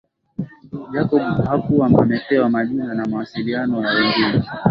Jacob hakuwa amepewa majina na mawasiliano ya wengine